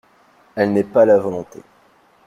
Elle n’est pas la volonté.